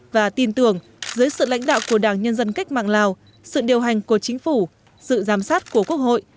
và tin tưởng dưới sự lãnh đạo của đảng nhân dân cách mạng lào sự điều hành của chính phủ sự giám sát của quốc hội